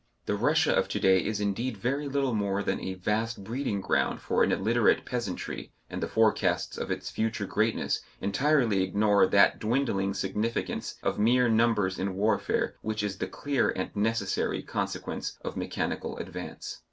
The Russia of to day is indeed very little more than a vast breeding ground for an illiterate peasantry, and the forecasts of its future greatness entirely ignore that dwindling significance of mere numbers in warfare which is the clear and necessary consequence of mechanical advance.